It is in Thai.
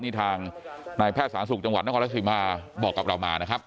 นี่ทางนายแพทย์สาธารณสุขจังหวัดนครรัฐศิมาบอกกับเรามานะครับ